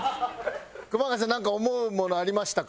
熊谷さんなんか思うものありましたか？